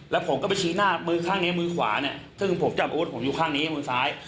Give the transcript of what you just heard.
แล้วผมก็ไปชี้หน้ามือข้างนี้มือขวาเนี่ยซึ่งผมจับอาวุธผมอยู่ข้างนี้มือซ้าย